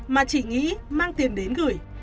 mà chỉ nghĩ mang tiền đến gửi